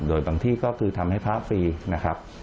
โดยบางที่ก็คือทำให้พระฟรีนะครับ